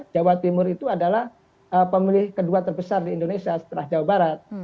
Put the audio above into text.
jawa timur itu adalah pemilih kedua terbesar di indonesia setelah jawa barat